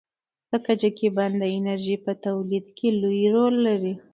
د کجکي بند د انرژۍ په تولید کې لوی رول لري.